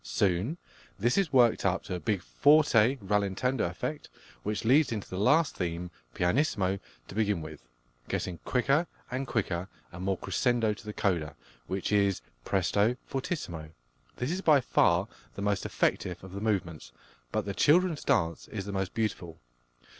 Soon this is worked up to a big forte rallentando effect, which leads into the last theme, pianissimo to begin with, getting quicker and quicker and more crescendo to the coda, which is presto fortissimo. This is by far the most effective of the movements, but the "Children's Dance" is the most beautiful.